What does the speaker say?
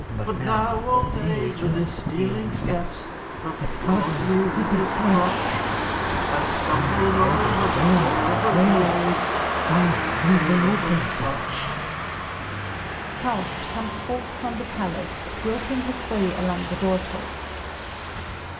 But now old Age, with his stealing steps, Hath clawed me with his crutch: I stumbled over the door of a grave ; Why leave they open such? FAUST (comes forth from the Palace, groping his way along the doorposts).